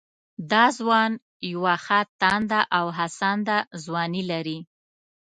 دا ځوان يوه ښه تانده او هڅانده ځواني لري